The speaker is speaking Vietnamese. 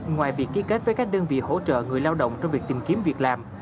ngoài việc ký kết với các đơn vị hỗ trợ người lao động trong việc tìm kiếm việc làm